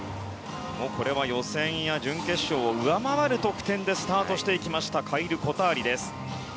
これは予選や準決勝を上回る得点でスタートしていったカイル・コターリです。